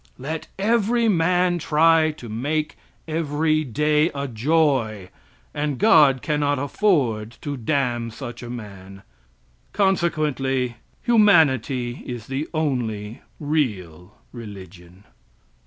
Let every man try to make every day a joy, and God cannot afford to damn such a man. Consequently humanity is the only real religion.